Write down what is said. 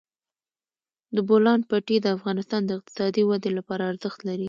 د بولان پټي د افغانستان د اقتصادي ودې لپاره ارزښت لري.